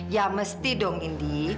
ya mesti dong indi